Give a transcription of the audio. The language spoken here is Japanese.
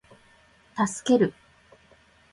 助ける